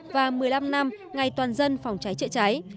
và một mươi năm năm ngày toàn dân phòng cháy chữa cháy